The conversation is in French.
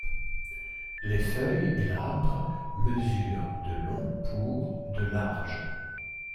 Les feuilles, glabres, mesurent de long pour de large.